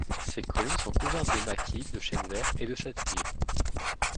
Ses collines sont couvertes de maquis, de chênes verts et de châtaigniers.